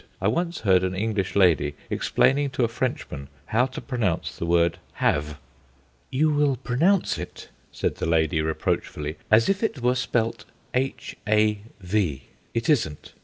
I once heard an English lady explaining to a Frenchman how to pronounce the word Have. "You will pronounce it," said the lady reproachfully, "as if it were spelt H a v. It isn't.